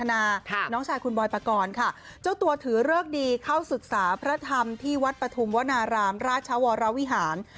น้องชายคุณบอยปกรณ์ค่ะเจ้าตัวถือเลิกดีเข้าศึกษาพระธรรมที่วัดปฐุมวนารามราชวรวิหาร